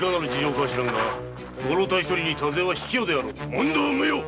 問答無用！